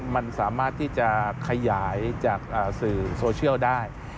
มันสามารถที่จะขยายจากสื่อโซเชียลได้